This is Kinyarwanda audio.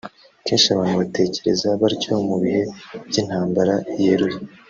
Kenshi abantu batekereza batyo mu bihe by’intambara yeruye